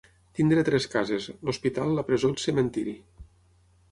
Tenir tres cases: l'hospital, la presó i el cementiri.